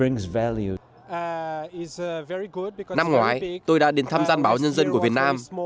năm ngoái tôi đã đến thăm gian báo nhân dân của việt nam